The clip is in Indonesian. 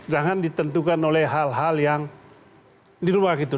jangan ditentukan oleh hal hal yang di luar itu